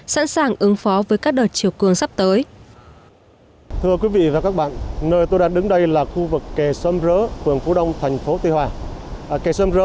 sẵn sàng ứng phó với các công trình nông nghiệp và phát triển nông thôn tỉnh phú yên